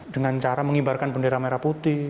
dengan cara mengibarkan bendera merah putih